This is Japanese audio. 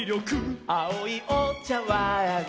「あおいおちゃわん」